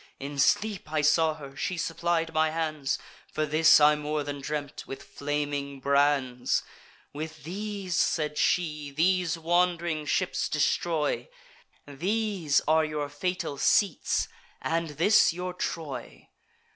In sleep I saw her; she supplied my hands (For this I more than dreamt) with flaming brands: 'With these,' said she, 'these wand'ring ships destroy: These are your fatal seats, and this your Troy.